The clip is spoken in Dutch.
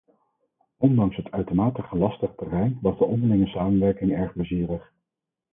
Ondanks het uitermate lastige terrein was de onderlinge samenwerking erg plezierig.